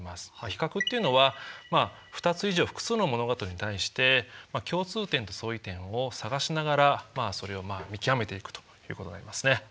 比較っていうのは２つ以上複数の物事に対して共通点と相違点を探しながらそれを見極めていくということになりますね。